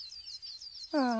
うん。